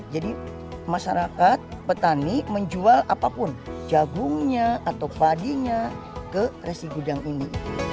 jadi masyarakat petani menjual apapun jagungnya atau padinya ke resi gudang ini